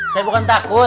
saya bukan takut